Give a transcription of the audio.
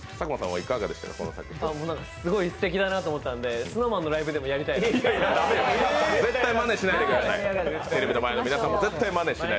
すごいすてきだなと思ったんでＳｎｏｗＭａｎのライブでもやりたいと思いました。